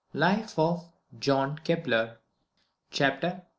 LIFE OF JOHN KEPLER. CHAPTER I.